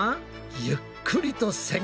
ゆっくりと旋回。